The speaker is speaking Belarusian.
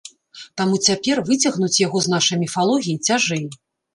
Таму цяпер выцягнуць яго з нашай міфалогіі цяжэй.